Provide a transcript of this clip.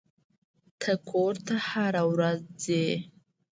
ته کور ته هره ورځ ځې.